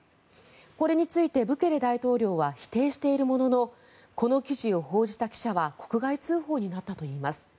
これについてブケレ大統領は否定しているもののこの記事を報じた記者は国外通報になったといいます。